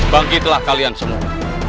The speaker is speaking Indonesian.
bangkitlah kalian semua